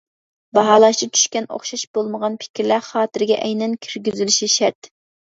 باھالاشتا چۈشكەن ئوخشاش بولمىغان پىكىرلەر خاتىرىگە ئەينەن كىرگۈزۈلۈشى شەرت.